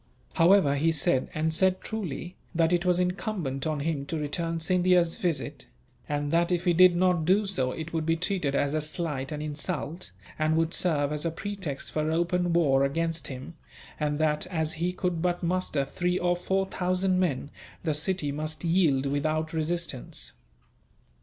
However, he said, and said truly, that it was incumbent on him to return Scindia's visit; and that if he did not do so it would be treated as a slight and insult, and would serve as a pretext for open war against him; and that, as he could but muster three or four thousand men, the city must yield without resistance.